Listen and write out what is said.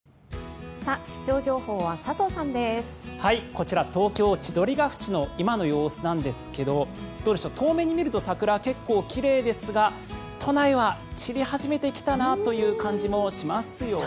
こちら東京・千鳥ヶ淵の今の様子なんですがどうでしょう遠めに見ると桜、結構奇麗ですが都内は散り始めてきたなという感じもしますよね。